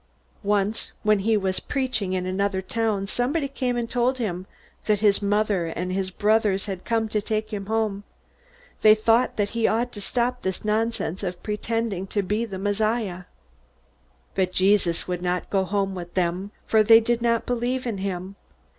Once, when he was preaching in another town, someone came and told him that his mother and his brothers had come to take him home. They thought that he ought to stop this nonsense of pretending to be the Messiah. But Jesus would not go home with them, for they did not believe in him.